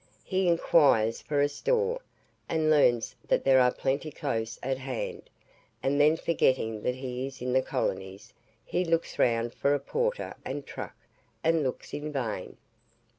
He inquires for a store, and learns that there are plenty close at hand; and then forgetting that he is in the colonies, he looks round for a porter and truck, and looks in vain.